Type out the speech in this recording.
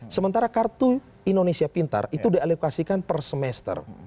sementara kartu indonesia pintar itu dialokasikan per semester